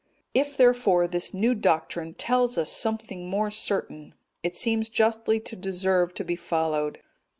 If, therefore, this new doctrine tells us something more certain, it seems justly to deserve to be followed."